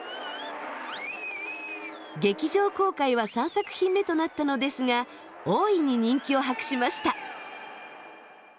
劇場公開は３作品目となったのですが大いに人気を博しました。